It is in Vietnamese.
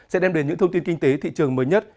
sẽ đem đến những thông tin kinh tế thị trường mới nhất